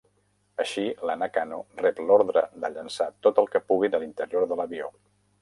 Així, la Nakano rep l'ordre de llançar tot el que pugui de l'interior de l'avió.